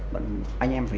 bọn anh em phải